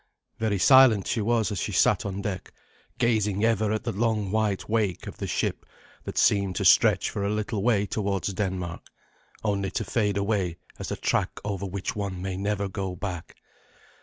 Very silent was she as she sat on deck gazing ever at the long white wake of the ship that seemed to stretch for a little way towards Denmark, only to fade away as a track over which one may never go back.